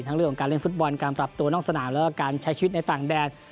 เรื่องของการเล่นฟุตบอลการปรับตัวนอกสนามแล้วก็การใช้ชีวิตในต่างแดน